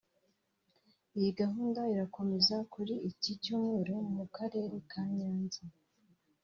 Iyi gahunda irakomeza kuri iki Cyumweru mu karere ka Nyanza